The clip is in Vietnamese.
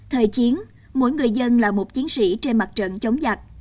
thời chiến mỗi người dân là một chiến sĩ trên mặt trận chống giặc